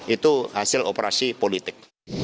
itu hasil operasi politik